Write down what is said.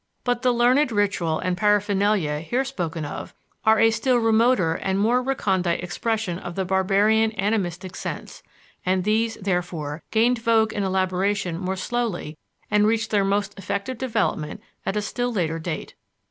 But the learned ritual and paraphernalia here spoken of are a still remoter and more recondite expression of the barbarian animistic sense; and these, therefore, gained vogue and elaboration more slowly and reached their most effective development at a still later date.